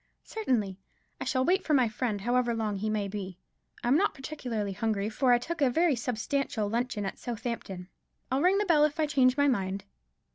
"Certainly; I shall wait for my friend, however long he may be. I'm not particularly hungry, for I took a very substantial luncheon at Southampton. I'll ring the bell if I change my mind."